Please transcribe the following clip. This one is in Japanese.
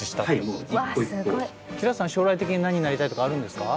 将来的に何になりたいとかあるんですか？